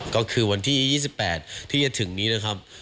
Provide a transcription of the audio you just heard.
ก็คือวันที่๒๘ที่จะถึงนี้นะครับ